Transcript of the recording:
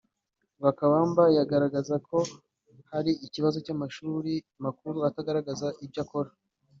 Lwakabamba yagaragaza ko hari Ikibazo cy’ amashuri makuru atagaragaza ibyo akora